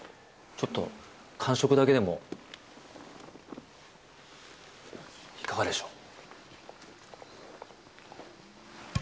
ちょっと感触だけでもいかがでしょう。